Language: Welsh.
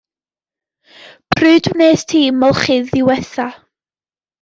Pryd wnest ti molchi ddiwetha?